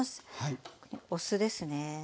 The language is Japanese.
お酢ですね